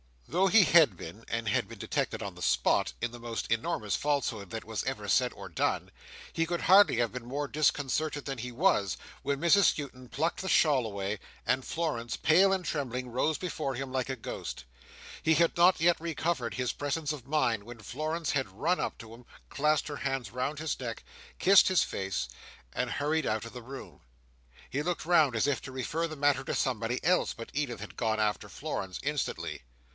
Though he had been; and had been detected on the spot, in the most enormous falsehood that was ever said or done; he could hardly have been more disconcerted than he was, when Mrs Skewton plucked the shawl away, and Florence, pale and trembling, rose before him like a ghost. He had not yet recovered his presence of mind, when Florence had run up to him, clasped her hands round his neck, kissed his face, and hurried out of the room. He looked round as if to refer the matter to somebody else, but Edith had gone after Florence, instantly.